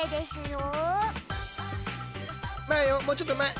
もうちょっとまえ。